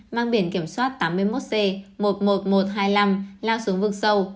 mang biển kiểm soát tám mươi một c một mươi một nghìn một trăm hai mươi năm lao xuống vực sâu